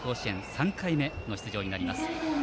３回目の出場になります。